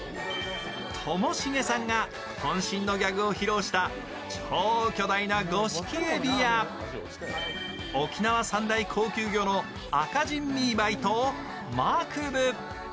ともしげさんがこん身のギャグを披露した超巨大なゴシキエビや沖縄三大高級魚のアカジンミーバイとマクブ。